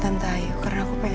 kita bareng sekarang ya